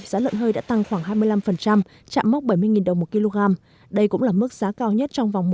giá lợn hơi đã tăng khoảng hai mươi năm chạm mốc bảy mươi đồng một kg đây cũng là mức giá cao nhất trong vòng